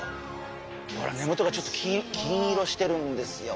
ほら根元がちょっと金色してるんですよ